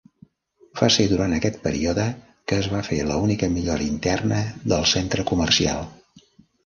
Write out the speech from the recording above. Va ser durant aquest període que es va fer l'única millora interna del centre comercial.